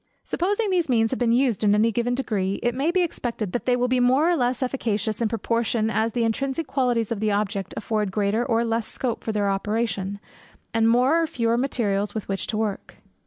Supposing these means to have been used in any given degree, it may be expected, that they will be more or less efficacious, in proportion as the intrinsic qualities of the object afford greater or less scope for their operation, and more or fewer materials with which to work.